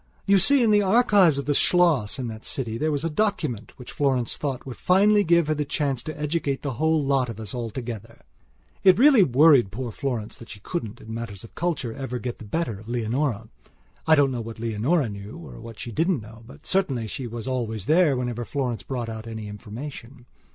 You see, in the archives of the Schloss in that city there was a document which Florence thought would finally give her the chance to educate the whole lot of us together. It really worried poor Florence that she couldn't, in matters of culture, ever get the better of Leonora. I don't know what Leonora knew or what she didn't know, but certainly she was always there whenever Florence brought out any information.